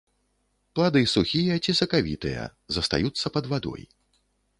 Плады сухія ці сакавітыя, застаюцца пад вадой.